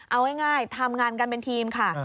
เอาง่ายทำงานกันเป็นทีมค่ะ